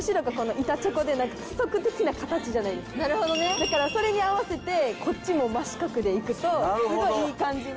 だからそれに合わせてこっちも真四角でいくとすごいいい感じに。